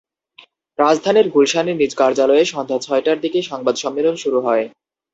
রাজধানীর গুলশানে নিজ কার্যালয়ে সন্ধ্যা ছয়টার দিকে সংবাদ সম্মেলন শুরু হয়।